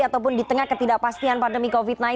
ataupun di tengah ketidakpastian pandemi covid sembilan belas